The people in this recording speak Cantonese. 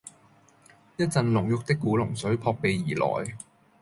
一陣濃郁的古龍水撲鼻而來